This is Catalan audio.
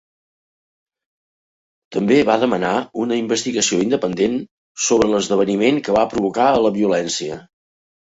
També va demanar una investigació independent sobre l'esdeveniment que va provocar a la violència.